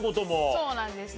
そうなんです。